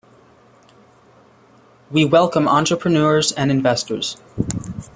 We welcome entrepreneurs and investors.